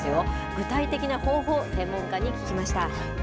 具体的な方法を専門家に聞きました。